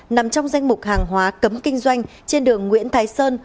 nằm trong danh mục hàng hóa cấm kinh doanh trên đường nguyễn thái sơn